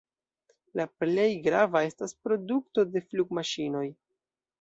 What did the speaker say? La plej grava estas produkto de flugmaŝinoj.